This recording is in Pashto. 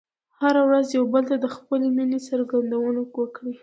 هره ورځ یو بل ته د خپلې مینې څرګندونه وکړئ.